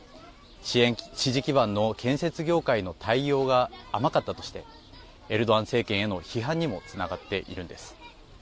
支持基盤の建設業界の対応が甘かったとしてエルドアン政権への批判にもつながっているんです。